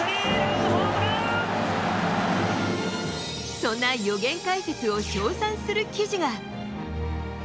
そんな予言解説を称賛する記事が。